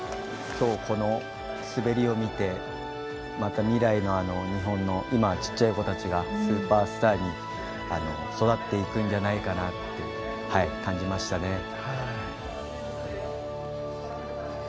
今日、この滑りを見てまた未来の日本の今は、小さい子たちがスーパースターに育っていくんじゃないかなって感じましたね。